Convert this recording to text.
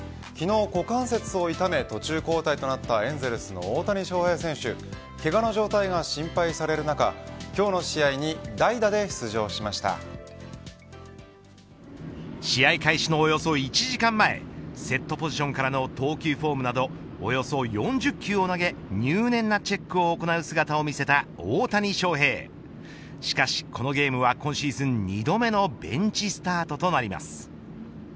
昨日、股関節を痛め途中交代となったエンゼルスの大谷翔平選手けがの状態が心配される中今日の試合に試合開始のおよそ１時間前セットポジションからの投球フォームなどおよそ４０球を投げ入念なチェックを行う姿を見せたしかし、このゲームは今シーズン２度目のベンチスタートとなります。